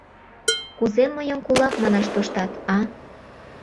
— Кузе мыйым кулак манаш тоштат, а?